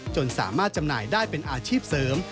จนสามารถจำหน่ายได้เป็นอาชีพเสริม